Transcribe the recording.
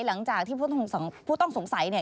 หลังจากที่ผู้ต้องสงสัย